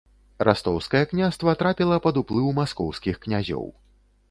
Растоўскае княства трапіла пад уплыў маскоўскіх князёў.